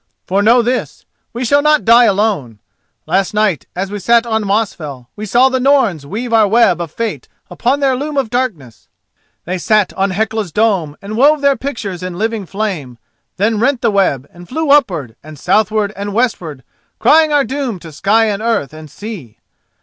For know this, we shall not die alone. Last night as we sat on Mosfell we saw the Norns weave our web of fate upon their loom of darkness. They sat on Helca's dome and wove their pictures in living flame, then rent the web and flew upward and southward and westward, crying our doom to sky and earth and sea.